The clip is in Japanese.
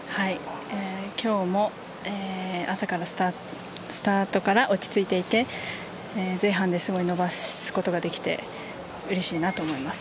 今日も朝からスタートから落ち着いていて前半ですごい伸ばすことができてうれしいなと思います。